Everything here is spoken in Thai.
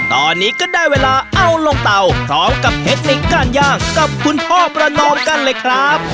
ตอนนี้ก็ได้เวลาเอาลงเตาพร้อมกับเทคนิคการย่างกับคุณพ่อประนอมกันเลยครับ